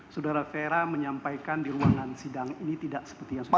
saudara fera menyampaikan di ruangan sidang ini tidak seperti yang sudah saya katakan